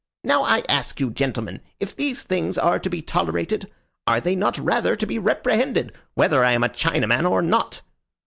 Now I ask you, gentlemen, if these things are to be tolerated? Are they not rather to be reprehended, whether I am a Chinaman or not?"